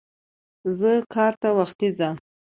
زه کار ته وختي ځم.